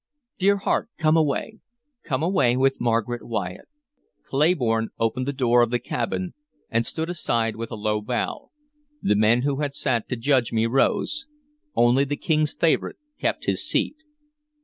Dear heart, come away, come away with Margaret Wyatt." Clayborne opened the door of the cabin, and stood aside with a low bow. The men who had sat to judge me rose; only the King's favorite kept his seat.